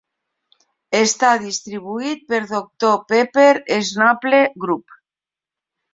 Està distribuït per Doctor Pepper Snapple Group.